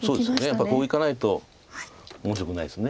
やっぱりこういかないと面白くないです。